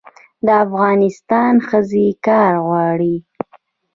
د افغانستان ښځې کار غواړي